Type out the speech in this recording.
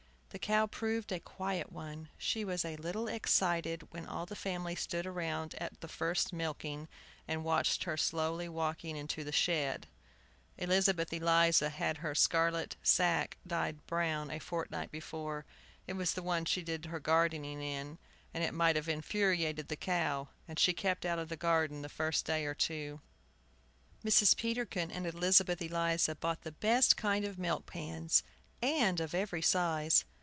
The cow proved a quiet one. She was a little excited when all the family stood round at the first milking, and watched her slowly walking into the shed. Elizabeth Eliza had her scarlet sack dyed brown a fortnight before. It was the one she did her gardening in, and it might have infuriated the cow. And she kept out of the garden the first day or two. Mrs. Peterkin and Elizabeth Eliza bought the best kind of milk pans, of every size.